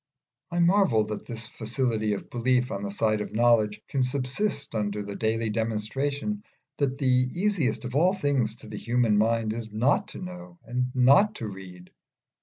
I marvel that this facility of belief on the side of knowledge can subsist under the daily demonstration that the easiest of all things to the human mind is not to know and not to read.